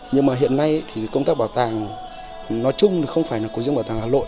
nhưng mà hiện nay thì công tác bảo tàng nói chung không phải là của riêng bảo tàng hà nội